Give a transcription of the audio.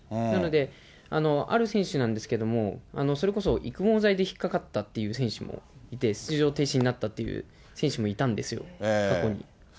なので、ある選手なんですけども、それこそ育毛剤で引っ掛かったっていう選手もいて、出場停止になったという選手もいたんですよ、過去に。